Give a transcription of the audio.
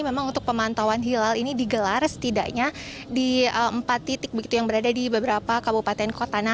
memang untuk pemantauan hilal ini digelar setidaknya di empat titik begitu yang berada di beberapa kabupaten kota